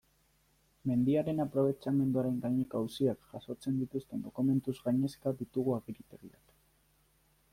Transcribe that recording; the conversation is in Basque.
Mendiaren aprobetxamenduaren gaineko auziak jasotzen dituzten dokumentuz gainezka ditugu agiritegiak.